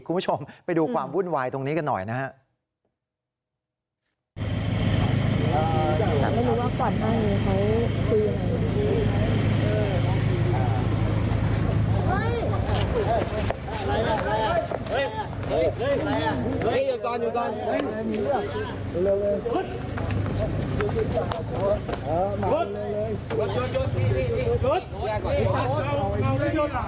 คุณผู้ชมไปดูความวุ่นวายตรงนี้กันหน่อยนะครับ